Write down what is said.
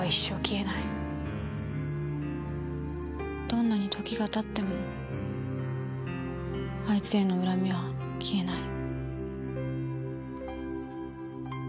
どんなに時がたってもあいつへの恨みは消えない。